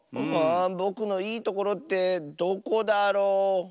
あぼくのいいところってどこだろ？